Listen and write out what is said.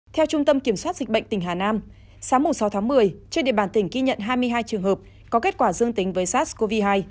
theo trung tâm kiểm soát dịch bệnh tỉnh hà nam sáng sáu tháng một mươi trên địa bàn tỉnh ghi nhận hai mươi hai trường hợp có kết quả dương tính với sars cov hai